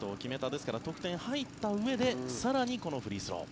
ですから、得点が入ったうえで更にフリースロー。